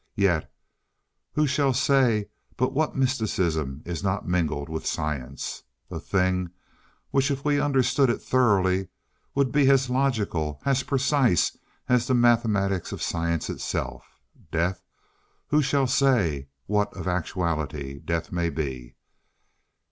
Yet who shall say but what mysticism is not mingled with science? A thing, which if we understood it thoroughly, would be as logical, as precise as the mathematics of science itself? Death? Who shall say what, of actuality, Death may be.